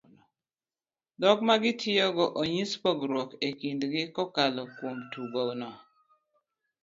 dhok magitiyogo onyis pogruok e kindgi kokalo kuom tugo no